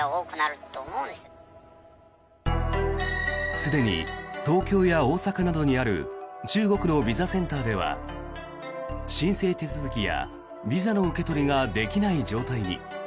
すでに東京や大阪などにある中国のビザセンターでは申請手続きやビザの受け取りができない状態に。